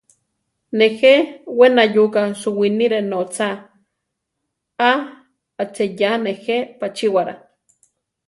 Nejé we nayuka suwinire notza, aacheyá nejé pachíwara.